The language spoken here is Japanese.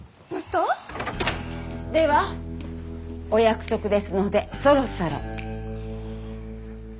ではお約束ですのでそろそろ。